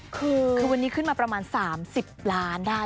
คือวันนี้ขึ้นมาประมาณ๓๐ล้านได้